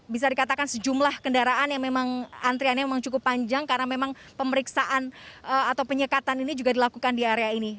bisa dikatakan sejumlah kendaraan yang memang antriannya memang cukup panjang karena memang pemeriksaan atau penyekatan ini juga dilakukan di area ini